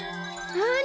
なに？